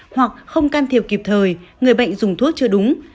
hoặc không can thiệp kịp thời người bệnh dùng thuốc chưa đúng